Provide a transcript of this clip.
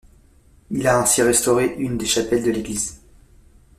Il a ainsi restauré une des chapelles de l'église.